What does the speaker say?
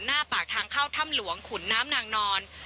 หน้าปากทางเข้าถ้ำหลวงขุนน้ำนางนอน